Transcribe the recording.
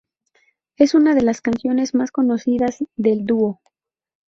Es una de las canciones más conocidas del dúo.